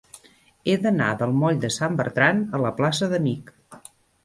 He d'anar del moll de Sant Bertran a la plaça d'Amich.